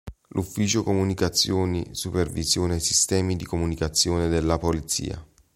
L'Ufficio Comunicazioni supervisiona i sistemi di comunicazione della polizia.